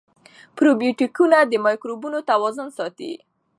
پروبیوتیکونه د مایکروبونو توازن ساتي.